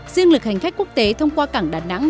riêng lực hành khách quốc tế thông qua cảng đà nẵng